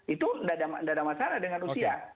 itu tidak ada masalah dengan rusia